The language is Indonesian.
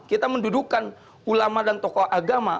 kita mendudukan ulama dan tokoh agama